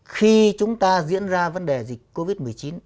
khi chúng ta diễn ra vấn đề dịch covid một mươi chín